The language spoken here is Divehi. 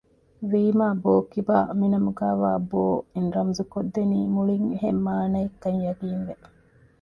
ވީމާ ބޯކިބާ މިނަމުގައިވާ ބޯ އިން ރަމުޒުކޮށްދެނީ މުޅިން އެހެން މާނައެއްކަން ޔަޤީން ވެ